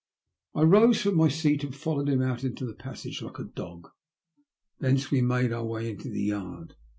I rose from my seat and followed him out into the passage like a dog; thence we made our way into the yard.